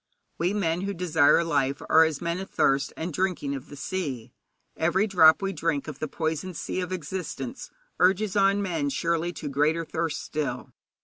We men who desire life are as men athirst and drinking of the sea. Every drop we drink of the poisoned sea of existence urges on men surely to greater thirst still.